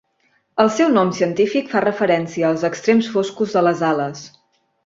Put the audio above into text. El seu nom científic fa referència als extrems foscos de les ales.